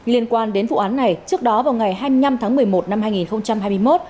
liên quan đến vụ án này trước đó vào ngày hai mươi năm tháng một mươi một năm hai nghìn hai mươi một